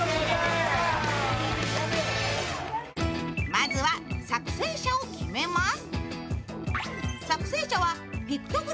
まずは作成者を決めます。